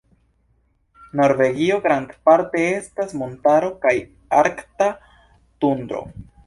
Norvegio grandparte estas montaro kaj arkta tundro.